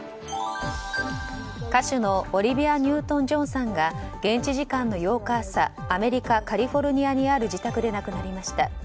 歌手のオリビア・ニュートン・ジョンさんが現地時間の８日朝アメリカ・カリフォルニアにある自宅で亡くなりました。